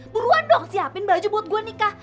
buruan dong siapin baju buat gue nikah